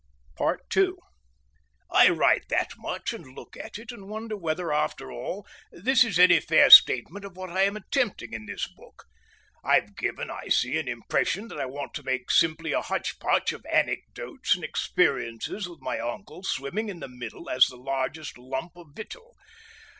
II I write that much and look at it, and wonder whether, after all, this is any fair statement of what I am attempting in this book. I've given, I see, an impression that I want to make simply a hotch potch of anecdotes and experiences with my uncle swimming in the middle as the largest lump of victual.